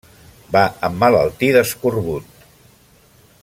Va emmalaltir d'escorbut.